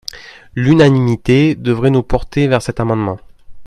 L’unanimité devrait nous porter vers cet amendement